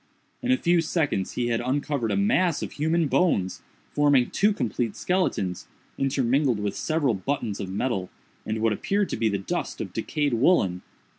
In a few seconds he had uncovered a mass of human bones, forming two complete skeletons, intermingled with several buttons of metal, and what appeared to be the dust of decayed woollen.